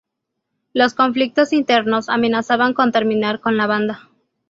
Los conflictos internos amenazaban con terminar con la banda.